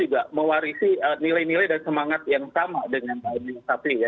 juga mewarisi nilai nilai dan semangat yang sama dengan pak amin safri ya